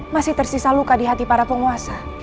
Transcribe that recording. masih tersisa luka di hati para penguasa